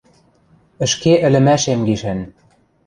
ӸШКЕ ӸЛӸМӒШЕМ ГИШӒН